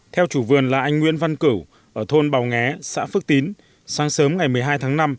theo chủ vườn là anh nguyễn văn cửu ở thôn bào nghé xã phước tín sáng sớm ngày một mươi hai tháng năm